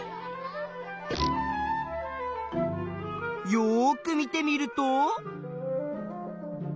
よく見てみると。